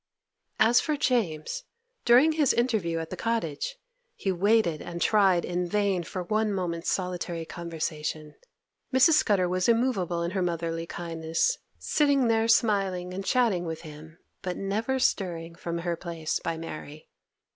As for James, during his interview at the cottage, he waited and tried in vain for one moment's solitary conversation. Mrs. Scudder was immovable in her motherly kindness, sitting there smiling and chatting with him, but never stirring from her place by Mary.